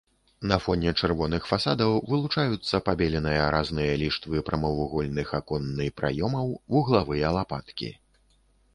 На фоне чырвоных фасадаў вылучаюцца пабеленыя разныя ліштвы прамавугольных аконны праёмаў, вуглавыя лапаткі.